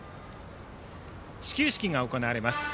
始球式が行われます。